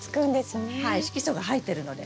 はい色素が入ってるので。